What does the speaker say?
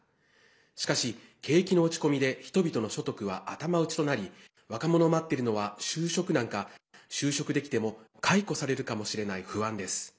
しかし、景気の落ち込みで人々の所得は頭打ちとなり若者を待っているのは就職難か就職できても解雇されるかもしれない不安です。